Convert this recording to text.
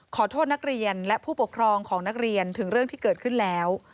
ขอโทษนักเรียนและผู้ปกครองของนักเรียนถึงเรื่องที่เกิดขึ้นแล้ว